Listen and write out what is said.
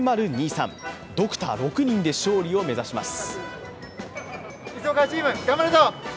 ドクター６人で勝利を目指します。